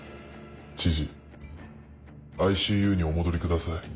知事ＩＣＵにお戻りください。